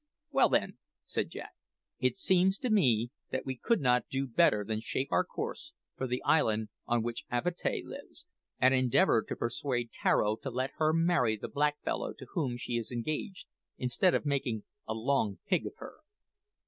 "Well, then," said Jack, "it seems to me that we could not do better than shape our course for the island on which Avatea lives, and endeavour to persuade Tararo to let her marry the black fellow to whom she is engaged instead of making a `long pig' of her.